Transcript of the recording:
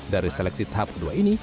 dari seleksi tahap kedua ini